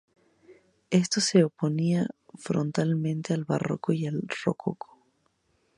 Esto se oponía frontalmente al barroco y al rococó.